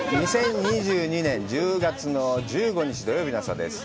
２０２２年１０月の１５日、土曜日の朝です。